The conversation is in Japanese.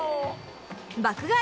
爆買い